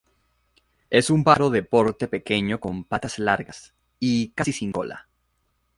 Es un pájaro de porte pequeño con patas largas y casi sin cola.